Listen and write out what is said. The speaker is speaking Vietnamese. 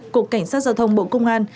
cục cảnh sát giao thông bộ công an